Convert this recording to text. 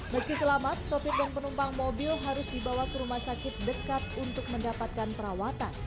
meski selamat sopir dan penumpang mobil harus dibawa ke rumah sakit dekat untuk mendapatkan perawatan